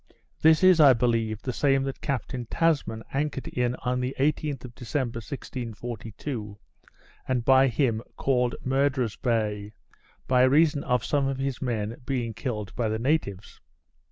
This is, I believe, the same that Captain Tasman anchored in on the 18th of December, 1642, and by him called Murderer's Bay, by reason of some of his men being killed by the natives.